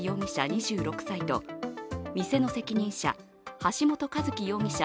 ２６歳と店の責任者、橋本一喜容疑者